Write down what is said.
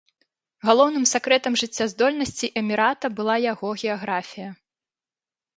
Галоўным сакрэтам жыццяздольнасці эмірата была яго геаграфія.